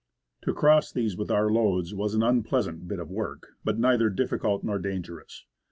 To cross these with our loads was an unpleasant bit of work, but neither difficult nor dangerous.